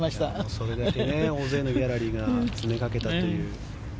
それだけ大勢のギャラリーが詰めかけたという。